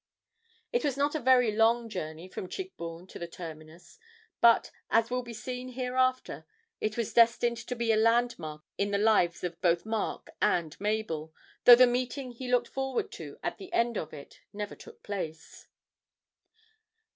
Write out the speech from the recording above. It was not a very long journey from Chigbourne to the terminus, but, as will be seen hereafter, it was destined to be a land mark in the lives of both Mark and Mabel, though the meeting he looked forward to at the end of it never took place.